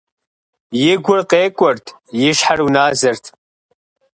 И гур къекӏуэрт, и щхьэр уназэрт.